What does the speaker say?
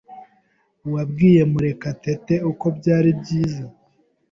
Wabwiye Murekatete uko byari byiza?